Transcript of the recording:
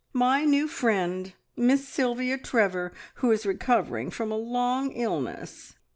My new friend, Miss Sylvia Trevor, who is recovering from a long illness."